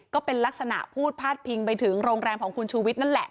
ก็เป็นลักษณะพูดพาดพิงไปถึงโรงแรมของคุณชูวิทย์นั่นแหละ